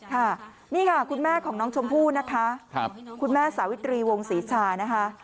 ค่ะนี่ค่ะคุณแม่ของน้องชมพู่นะคะคุณแม่สาวิตรีวงศรีชานะคะ